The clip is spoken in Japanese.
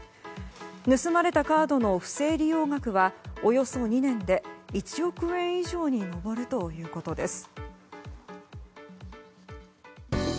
盗まれたカードの不正利用額はおよそ２年で１億円以上に上るということです。